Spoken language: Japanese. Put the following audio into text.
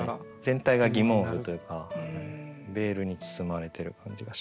全体が疑問符というかベールに包まれてる感じがします。